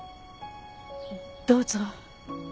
どうぞ。